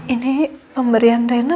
ini pemberian reina